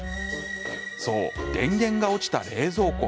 そう、電源が落ちた冷蔵庫。